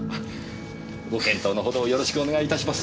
ご検討のほどをよろしくお願いいたします。